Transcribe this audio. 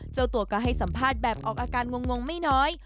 เจ้าตัวก็ให้สัมภาษณ์แบบออกอาการงงไม่น้อย